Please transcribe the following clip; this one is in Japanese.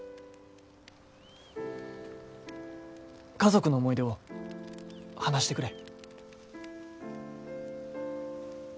家族の思い出を話してくれ。